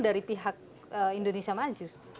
dari pihak indonesia maju